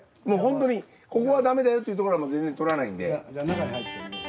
もうホントにここはだめだよってところは全然撮らないんで。